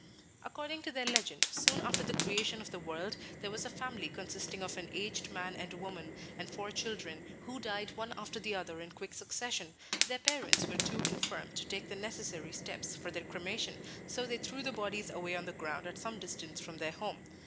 According to their legend, soon after the creation of the world, there was a family consisting of an aged man and woman, and four children, who died one after the other in quick succession. Their parents were too infirm to take the necessary steps for their cremation, so they threw the bodies away on the ground at some distance from their home.